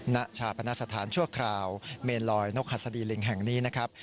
ณชาปนสถานชั่วคราวเมนลอยนกหัสดีลิงแห่งนี้นะครับ